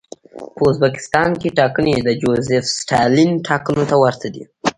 په ازبکستان کې ټاکنې د جوزېف ستالین ټاکنو ته ورته دي.